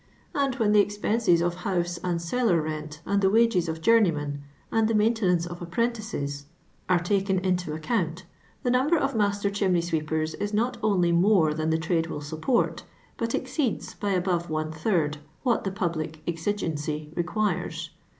" and when the expenses of honse and cellar rent, and the wages of joiur neymen, and the niaintenauee o€ a^Y^^^Ssx^t^tt^ \ 354 LONDON LABOUR AND THE LONDON POOR. taken into the account, the number of master chimney sweepers is not only more than the trade will support, but exceeds^ by above one third, what the public exigency requires.